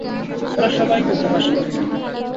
ওরা সবাইকে উপহাস করছে।